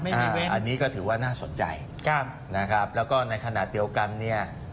ไม่มีเว้นอันนี้ก็ถือว่าน่าสนใจนะครับแล้วก็ในขณะเดี๋ยวกันเนี่ย